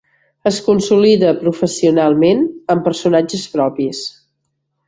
Es consolida professionalment amb personatges propis.